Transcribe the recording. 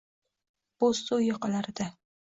boʼzsuv yoqalarida